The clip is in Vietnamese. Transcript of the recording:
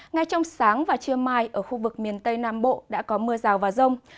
ngay trong sáng và trưa mai ở khu vực miền tây nam bộ đã có mưa rào và rông